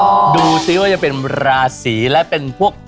โหยิวมากประเด็นหัวหน้าแซ่บที่เกิดเดือนไหนในช่วงนี้มีเกณฑ์โดนหลอกแอ้มฟรี